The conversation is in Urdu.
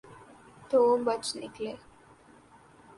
تو بچ نکلے۔